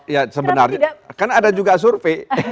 ya sebenarnya kan ada juga survei